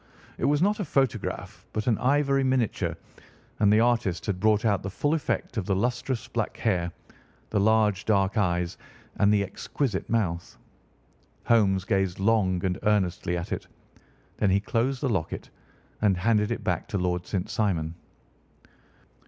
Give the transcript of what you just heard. It was not a photograph but an ivory miniature, and the artist had brought out the full effect of the lustrous black hair, the large dark eyes, and the exquisite mouth. Holmes gazed long and earnestly at it. Then he closed the locket and handed it back to Lord St. Simon.